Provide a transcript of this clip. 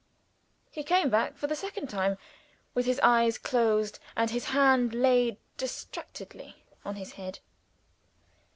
He came back for the second time, with his eyes closed and his hand laid distractedly on his head.